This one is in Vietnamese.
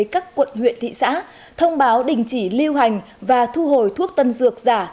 các quận huyện thị xã thông báo đình chỉ lưu hành và thu hồi thuốc tân dược giả